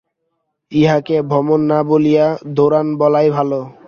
ইহাকে ভ্রমণ না বলিয়া দৌড়ান বলাই ভাল।